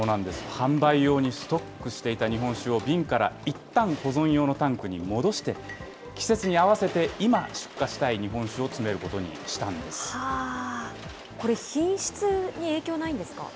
販売用にストックしていた日本酒を瓶からいったん保存用のタンクに戻して、季節に合わせて、今、出荷したい日本酒を詰めることにこれ、品質に影響ないんです